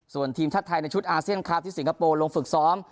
ส่วนทีมชาติไทยในชุดอาเซียนครับที่สิงคโปร์ลงฝึกซ้อม